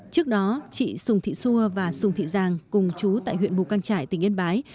trước đó chị sùng thị xua và sùng thị giang cùng chú tại huyện mù căng trải tỉnh yên bái